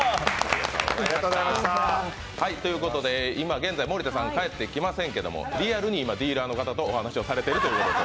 現在、森田さん、帰ってきませんけれどもリアルにディーラーの方とお話をしているということで。